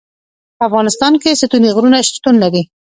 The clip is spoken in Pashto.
په افغانستان کې ستوني غرونه شتون لري.